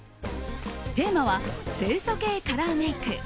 テーマは清楚系カラーメイク。